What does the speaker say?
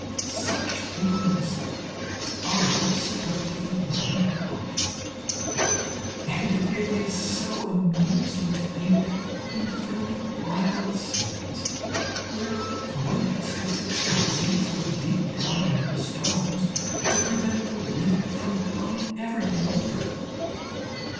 Such themes are seductively melancholy, and it is so amusing to paint in thoroughly wild scenes where one has to fix one's easel deep down in the stones to prevent the wind from blowing everything over.